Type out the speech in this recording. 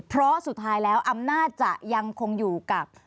เพราะสุดท้ายแล้วอำนาจจะยังคงอยู่กับ